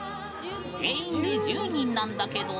全員で１０人なんだけど。